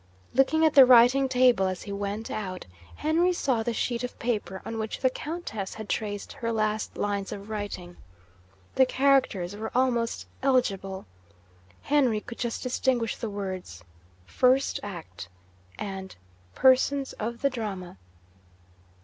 Looking at the writing table as he went out, Henry saw the sheet of paper on which the Countess had traced her last lines of writing. The characters were almost illegible. Henry could just distinguish the words, 'First Act,' and 'Persons of the Drama.'